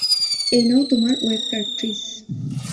এই নাও তোমার ওয়েব কার্ট্রিজ।